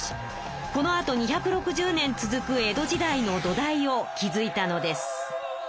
このあと２６０年続く江戸時代の土台を築いたのです。